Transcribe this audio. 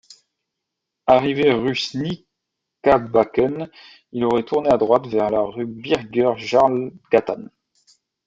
Arrivé rue Snickarbacken, il aurait tourné à droite vers la rue Birger Jarlsgatan.